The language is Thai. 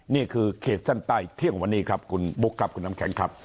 เขตเส้นใต้เที่ยงวันนี้ครับคุณบุ๊คครับคุณน้ำแข็งครับ